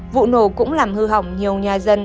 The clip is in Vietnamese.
vụ nổ cũng làm hư hỏng nhiều nhà dân